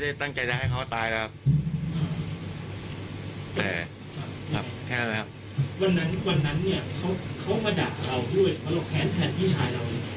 แล้วเขาจัดพี่ชายละหมดไหมกับตัวคนตาย